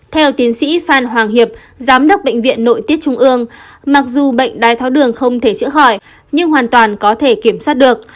theo tiến sĩ phan hoàng hiệp giám đốc bệnh viện nội tiết trung ương mặc dù bệnh đai tháo đường không thể chữa khỏi nhưng hoàn toàn có thể kiểm soát được